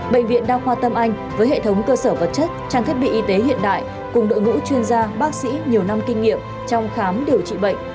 bệnh viện đa khoa tâm anh với hệ thống cơ sở vật chất trang thiết bị y tế hiện đại cùng đội ngũ chuyên gia bác sĩ nhiều năm kinh nghiệm trong khám điều trị bệnh